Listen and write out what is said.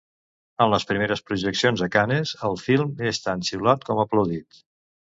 En les primeres projeccions a Canes, el film és tant xiulat com aplaudit.